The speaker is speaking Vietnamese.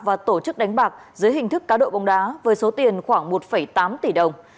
và tổ chức đánh bạc dưới hình thức cá độ bóng đá với số tiền khoảng một tám tỷ đồng